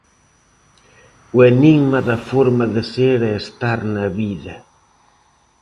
O enigma da forma de ser e estar na vida.